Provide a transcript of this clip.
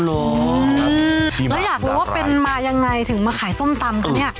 แล้วอยากรู้ว่าเป็นมายังไงถึงมาขายส้มตำคะเนี่ย